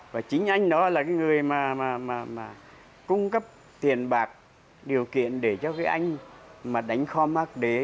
và chính anh đó là cái người mà cung cấp tiền bạc điều kiện để cho cái anh mà đánh kho mark đế